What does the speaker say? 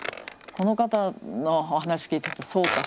この方のお話聞いてるとそうか